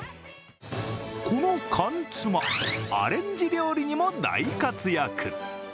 この缶つまアレンジ料理にも大活躍。